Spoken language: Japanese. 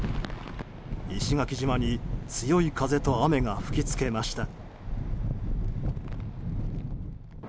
石垣島に強い風と雨が吹き付けました。